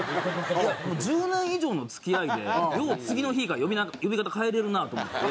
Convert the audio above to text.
１０年以上の付き合いでよう次の日から呼び名呼び方変えられるなと思って。